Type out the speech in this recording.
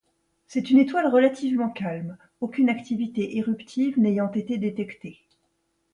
C'est une étoile relativement calme, aucune activité éruptive n'ayant été détectée.